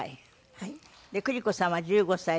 はい。